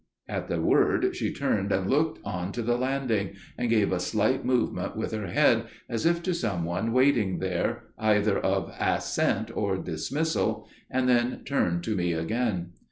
"At the word she turned and looked on to the landing, and gave a slight movement with her head, as if to some one waiting there, either of assent or dismissal, and then turned to me again.